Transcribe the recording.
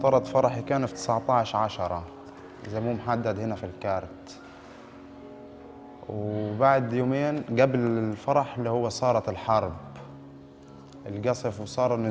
listrak ada menjadi